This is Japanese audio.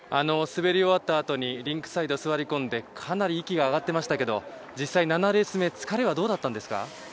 滑り終わったあとにリンクサイドに座り込んでかなり息が上がっていましたが実際、７レース目疲れはどうでしたか。